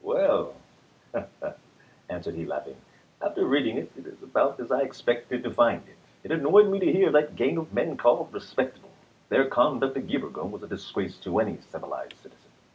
" Well," answered he, laughing, " after reading it, it is about as I expected to find it. It annoyed me to hear that gang of men called respectable. Their conduct a year ago was a disgrace to any civilized citizen."